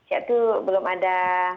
yaitu belum ada